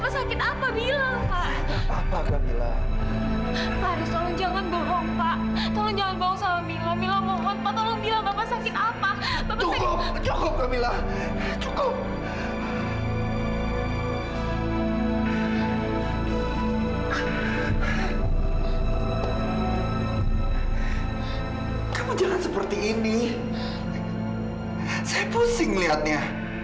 sampai jumpa di video selanjutnya